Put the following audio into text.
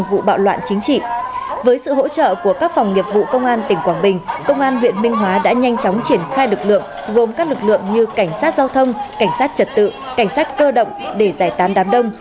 với sự hỗ trợ của các phòng nghiệp vụ công an tỉnh quảng bình công an huyện minh hóa đã nhanh chóng triển khai lực lượng gồm các lực lượng như cảnh sát giao thông cảnh sát trật tự cảnh sát cơ động để giải tán đám đông